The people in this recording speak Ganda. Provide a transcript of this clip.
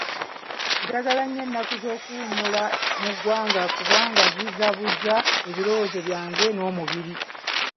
Njagala nnyo nnaku z'okuwummula mu ggwanga kubanga zizza buggya ebirowoozo byange n'omubiri.